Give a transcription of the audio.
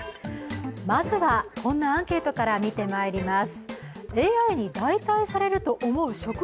まずは、こんなアンケートから見てまいります。